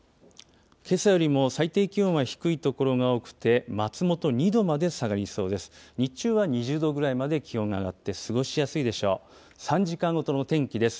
けさよりも最低気温は低い所が多くて、松本２度まで下がりそうです。